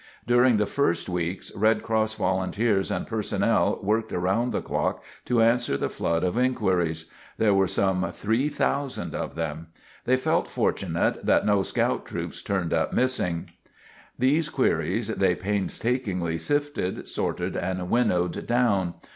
During the first weeks, Red Cross volunteers and personnel worked around the clock to answer the flood of inquiries. There were some 3,000 of them. They felt fortunate that no scout troops turned up missing. These queries, they painstakingly sifted, sorted, and winnowed down.